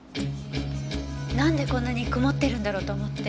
なんでこんなに曇ってるんだろうと思って。